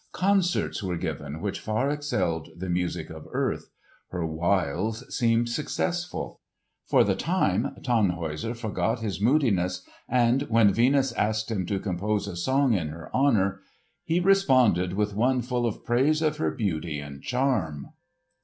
Concerts were given which far excelled the music of earth. Her wiles seemed successful. For the time, Tannhäuser forgot his moodiness; and when Venus asked him to compose a song in her honour, he responded with one full of praise of her beauty and charm.